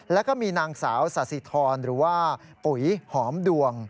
แล้วก็มีนางสาวสาธิธรหรือว่าปุ๋ยหอมดวง